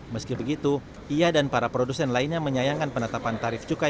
meski begitu ia dan para produsen lainnya menyayangkan penetapan tarif cukai